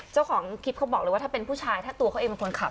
เจ้าของคลิปเขาบอกเลยว่าถ้าเป็นผู้ชายถ้าตัวเขาเองเป็นคนขับ